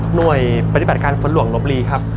หน่วยปฏิบัติการฝนหลวงลบลีครับ